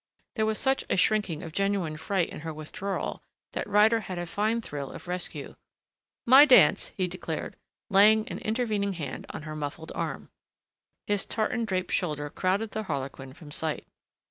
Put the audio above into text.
There was such a shrinking of genuine fright in her withdrawal that Ryder had a fine thrill of rescue. "My dance," he declared, laying an intervening hand on her muffled arm. His tartan draped shoulder crowded the Harlequin from sight.